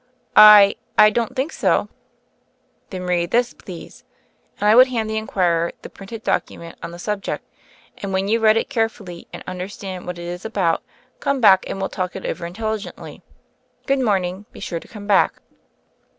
"I— I— don't think so." "Then read this, please" — and I would hand the inquirer the printed document on the sub ject — "and when you've read it carefully and understand what it is about, come back and we'll talk it over intelligently. Good morning; be sure to come back."